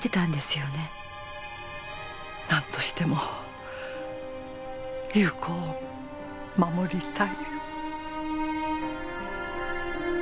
なんとしても優子を守りたい。